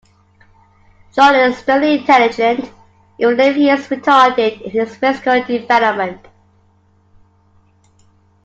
John is extremely intelligent, even if he is retarded in his physical development.